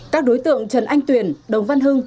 các đối tượng trần anh tuyển đồng văn hưng